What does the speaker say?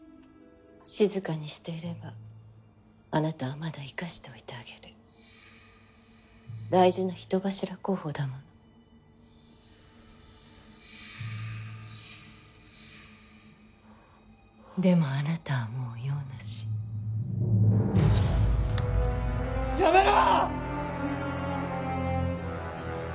静かにしていればあなたはまだ生かしておいてあげる大事な人柱候補だものでもあなたはもう用なしやめろ！